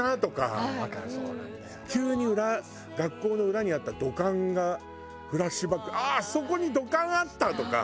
急に学校の裏にあった土管がフラッシュバック「あああそこに土管あった！」とか。